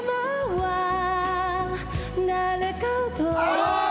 ああ！